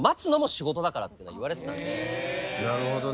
なるほどね。